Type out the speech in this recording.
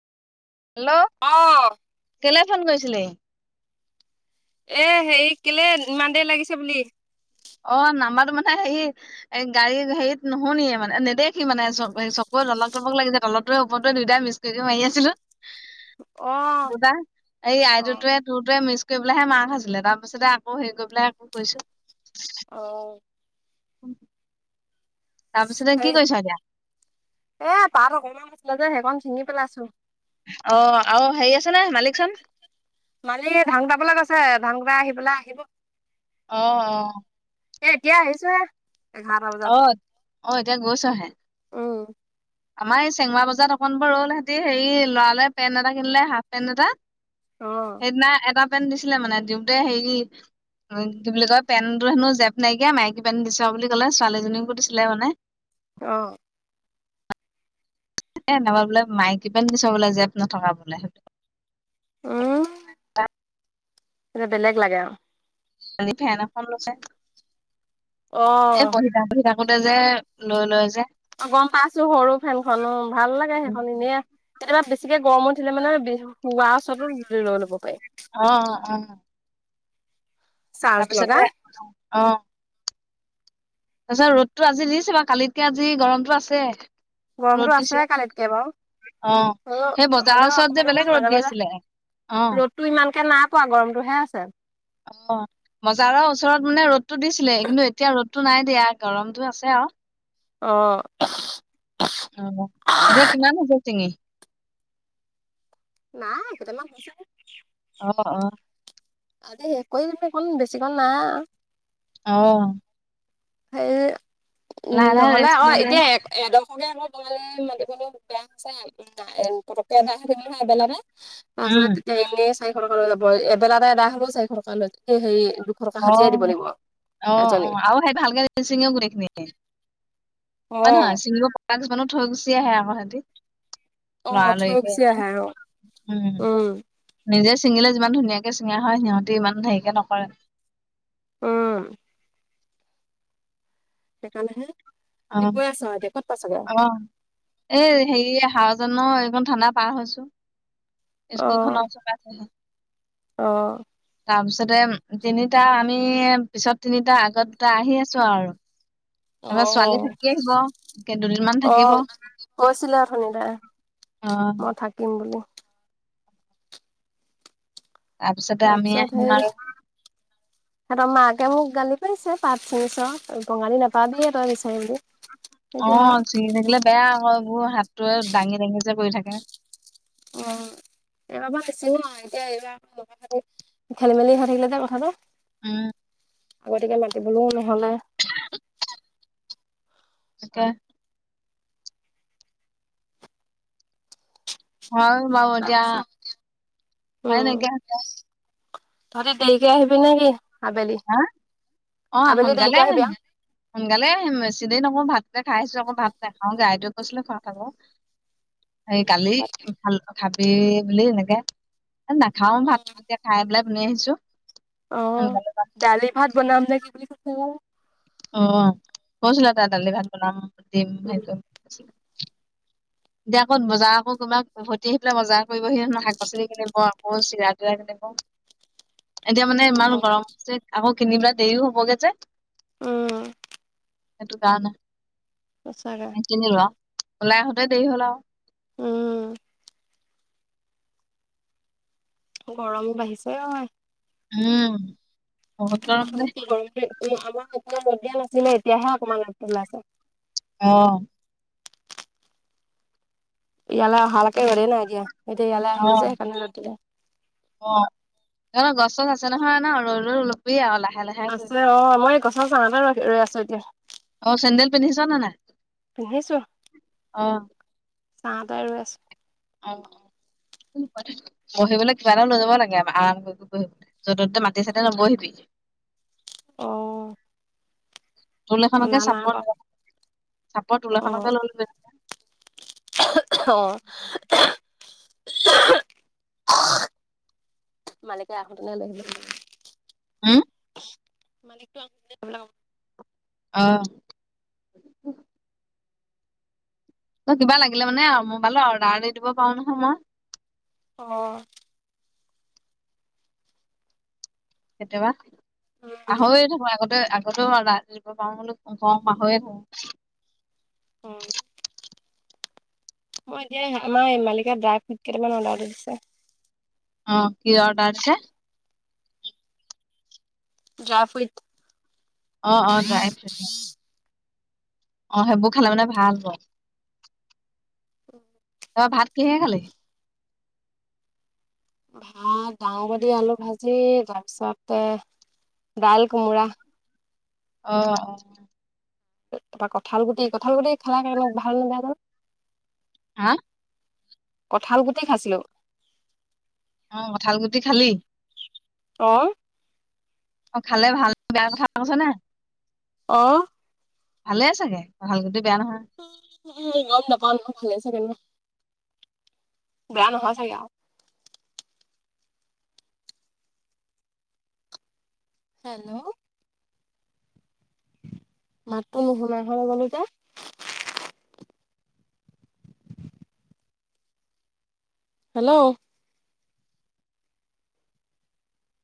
Hello অ কেলে phone কৰিছিলি? এ হেৰি কেলে ইমান দেৰি লাগিছে বুলি। অ, নাম্বাৰটো মানে হেই এ গাড়ী হেৰিত নুহোনিয়ে মানে নেদেখি মানে চকুৰে [unintelligible] লাগি যায় তলৰটোৱে ওপৰতেৱে দুইটাই মিচ টোলে মাৰি আছিলো অ', ৰবা এই অ', আইটোতোৱেত তোৰটোৱে মিছ কৰি পেলাইহে মাৰ খাইছিলে তাৰ পিছতে আকৌ হেৰি কৰি পেলাই আকৌ কৰিছো? অ তাৰপিছতে হেৰি কি কৰিছ এতিয়া? এ পাত অকমান আছিলে যে সেইকণ চিঙি পেলাইছো। অ আৰু হেৰি আছে নে মালিক চন। মালিক ধাং কোতাবলে গৈছে দাং কোটাই আহি পেলাই আহিব। অ অ এ এতিয়া আহিছো হে। অ অ এতিয়া গৈছ হে। উম। আমাৰ এই চেঙমৱা বজাৰ অকণ বোৰ ৰল হেঁতি হেৰি লৰালে পেণ্ট এটা কিনিলে হাফ পেণ্ট এটা। অ', সেইদিনা এটা পেণ্ট দিছিলে মানে দিওঁতে সেই উ কি বুলি কয় পেন্টো হেনো জেপ নাইকিয়া মাইকী পেন্ট দিছা বুলি ক'লে ছোৱালীজনীকো দিছিলে মানে। অ এ নেবা বোলে মাইকি পেন্ট দিছ বোলে জেপ নথকা বোলে সেইটো। উম [unintelligible] বেলেগ লাগে আও খালি ফেন এখন ল'লে এই অ', বহি বহি থাকোতে যে লৈ লয় যে গম পাইছো সৰু ফেনখনো ভাল লাগে সেইখন এনেই কেতিয়াবা বেছিকে গৰম উঠিলে মানে হোৱাৰ ওচৰতো জুলি লৈ ল'ব পাৰি। অ অ চাৰ্জ লগা তাৰপিছতে অ তাৰপিছত ৰ'দতো আজি দিছে বা কালিতকে আজি গৰমটো আছে। গৰমটো ৰ'দ আছে দিছে, কালিতকে বাৰু অ সেই হ'লেও বজাৰৰ ওচৰত যে বেলেগ ৰ'দ দি আছিলে? অ ৰ'দতো ইমানকে নাই পোৱা গৰমটোহে আছে। অ বজাৰৰ ওচৰত মানে ৰ'দতটো দিছিলে কিন্তু এতিয়া ৰ'দটো নাই দিয়া গৰমটো আছে আও। অ অ এতিয়া কিমান হৈছে চিঙি। নাই কেইটামান হৈছেহে অ অ আজি শেষ কৰি দিম নেকি, অকণ বেছিকণ নাই অ হেই উ লাহে লাহে নহ'লে ৰেষ্ট অ লৈ লৈ এতিয়া এদশকে আমাৰ বঙালে মাতিবলৈ বেয়াক ছেয়াক [unintelligible] ওম নাই পতককে এদায় হৈ থাকিব নহয় এবেলাতে তাৰপাছতে উম, তেতিয়া এনেই চাৰিশ টকা লৈ যাব এবেলা এদায় হলেও চাৰিশ টকা লয় সেই হেৰিয়ে অ অহ অ আও নহয় অ', [unintelligible] কিছুমানত থৈ গুচি আহে আকৌ সিহতি, অ', থৈ লৰালৰিকে গুচি এনে আহে অ'। উম নিজে ছিঙিলে যিমান ধুনীয়াকে ছিঙা হয় সিহঁতে ইমান হেৰিকে নকৰে। উম সেইকাৰণেহে ৰাতি অহ গৈ আছ এতিয়া ক'ত পাইছগে? অহ এই হেৰি হাৱাজানৰ এখন থানা পাৰ হৈছো স্কুল অ', খনৰ ওচৰত আছোহি। অ তাৰ পিছতে তিনিটা আমি পিছত তিনিটাৰ আগত দুটা আহি আছো আৰু। তাৰপাছত ছোৱালী অ', থাকি আহিব দুদিনমান অ', থাকিব। অঁ অঁ থাকিম বুলি তাৰপিছতে আমি তাৰপিছত আহিম হেৰি আৰু- সিহঁতৰ মাকে মোক গালি পাৰিছে পাত ছিঙিচ বঙালী নাপালি তই বিচাৰি বুলি- অ এতিয়া চিঙি থাকিলে বেয়া আকৌ এইবোৰ হাতটো দাঙি দাঙি যে পৰি থাকে। অঁ এইবাৰৰ পৰা নিছিঙু আৰু এতিয়া এইবিলাক। খেলি মেলি হৈ থাকিলে যে কথাটো। উম আগতীয়কে মাতিবলৈও নহলে। [unintelligible] তাকে হয় বাৰু এতিয়া তাৰপিছত উপাই উম নাইকিয়া হৈছে তহঁতি দেৰিকছ আহিবি নেকি আবেলি। হা অ আবেলি সোনকালে দেৰিকে আহিবি আহিম। আও সোনকালে আহিম বেছি দেৰি নকৰুং, ভাতকে খাই আছো আকৌ ভাত নাখাওঁ গাইটোৱে কৈছিলে খৰত খাক এই কালি উম ভাল ভাতে বুলি এনেকে নাখাওঁ ভাত তেতিয়া- খাই পেলাই গুচি আহিছো অ সোনকালে। দালি ভাত বনাম নে কি বুলি কৈছে ক অ কৈছিলে তাই দালি ভাত বনাম দিম হেৰি কৰিম। দিয়া অকন বজাৰ আকৌ ক- উভতি আহি পেলাই বজাৰ কৰিবহি হেনো শাক পাচলি কিনিব আকৌ চিৰা তিৰা কিনিব। এতিয়া মানে ইমান গৰম হৈছে আকৌ কিনিপিনে দেৰিও হবগৈ যে। উম সেইটো [unintelligible] [unintelligible] কিনি লোৱা ওলাই আহোতে দেৰি হ'ল আও উম গৰমো বাঢ়িছে অই। উম বহুত অ গৰম দেই আমাৰ অকমান ৰ'দ দিয়া নাছিলে এতিয়াহে অকমান ৰদটো ওলাইছে। অঁ ইয়ালে অহালেকে ৰদে নাই দিয়া এতিয়া ইয়ালে আহিলো যে ৰ'দ দিলে। অঁ তহঁতৰ গছ গছ আছে নহয় ন ৰই ৰই লবি আৰু লাহে লাহে। আছে কৰিবি অ মই এই গছৰ চাহতে ৰ ৰৈ আছোঁ এতিয়া। অ চেণ্ডেল পিন্ধিছ নে নাই? পিন্ধিছো অ চাহতে ৰৈ আছোঁ। অঁ বহিবলৈ কিবা এটা লৈ যাব লাগে আ আৰাম কৰি বহিবলৈ য'ত ততে মাটি চাটিয়ে নবহিবি। অঁ তোল এখনকে চাপৰ বাৰু ল চাপৰ তোল এখনকে লৈ লবি। অঁ মালিকে আহোতেনে লৈ আহিব। হম [unintelligible] অ'। ত', কিবা লাগিলে মানে মোবাইলত অৰ্ডাৰ দি দিব পাৰো নহয় মই। অঁ কেতিয়াবা অ পাহৰিয়ে থাকো আগতে আগতেও ৰাতিপুৱা পাওঁ পাহৰীয়ে থাকোঁ অ'। অ', এতিয়া আমাৰ এই মালিকে [unintelligible] কেইটামান অৰ্ডাৰ দি দিছে। অ', কি অৰ্ডাৰ দিছে? ড্ৰা ফ্ৰুইত। অ', অ', ড্ৰাই ফ্ৰুইট। অ', সেইবোৰ খালে মানে ভাল হয়। [unintelligible] অ', ভাত কিহেৰে খালি? ভাত, দাঙবদি আলু ভাজি তাৰপিছতে দাইল কোমোৰা। অ', অ'। [unintelligible] কঁঠাল গুটি, কঁঠাল গুটি খেলা কে ভাল জানো হা? কঁঠাল গুটি খাইছিলো। অ', কঁঠাল গুটি খালি? অ'। অ', খালে ভাল, বেয়া কথা কৈছে নে অ'। ভালে চাগে, কঁঠাল গুটি বেয়া নহয়। গম নাপাও নহয় ভালে চাগে ন, বেয়া নহয় চাগে আও। হেল্ল'। মাতটো নোশুনা হৈ গলো যে। হেল্ল'।